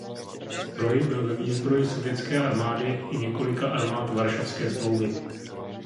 Stroj byl ve výzbroji sovětské armády i několika armád Varšavské smlouvy.